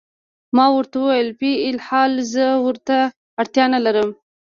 ما ورته وویل: فی الحال زه ورته اړتیا نه لرم.